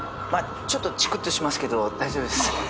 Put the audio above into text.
まあちょっとちくっとしますけど大丈夫です。